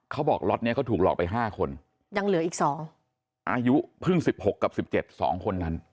เขาบอกล็อตเนี้ยเขาถูกหลอกไปห้าคนยังเหลืออีกสองอายุเพิ่งสิบหกกับสิบเจ็ดสองคนนั้น